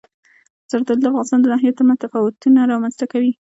زردالو د افغانستان د ناحیو ترمنځ تفاوتونه رامنځ ته کوي.